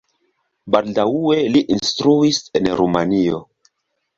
Baldaŭe li instruis en Rumanio.